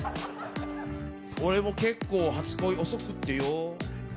俺も結構、初恋遅くってよ